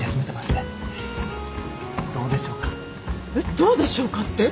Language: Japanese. どうでしょうかって？